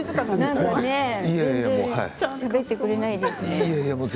全然しゃべってくれないですね。